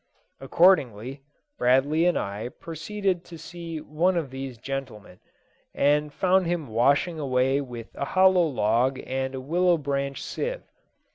Accordingly, Bradley and I proceeded to see one of these gentlemen, and found him washing away with a hollow log and a willow branch sieve.